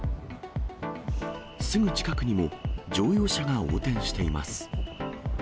すぐ近くにも、乗用車が横転しています。